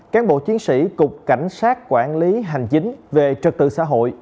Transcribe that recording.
cán bộ chiến sĩ cục cảnh sát quản lý hành chính về trật tự xã hội